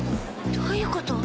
どういうこと？